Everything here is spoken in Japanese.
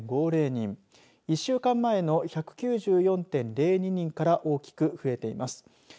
１週間前の１９４．０２人から大きく増えています。